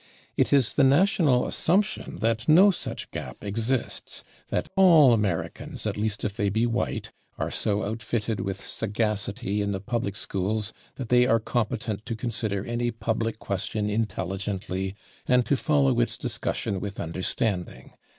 It is the national assumption that no such gap exists that all Americans, at least if they be white, are so outfitted with sagacity in the public schools that they are competent to consider any public question intelligently and to follow its discussion with understanding.